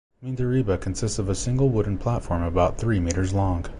Mindaribba consists of a single wooden platform about three metres long.